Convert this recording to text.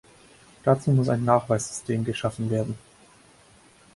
Dazu muss ein Nachweissystem geschaffen werden.